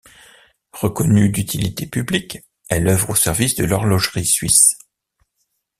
Reconnue d’utilité publique, elle œuvre au service de l’horlogerie suisse.